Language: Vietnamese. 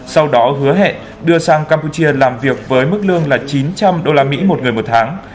sau đó hứa hẹn đưa sang campuchia làm việc với mức lương là chín trăm linh usd một người một tháng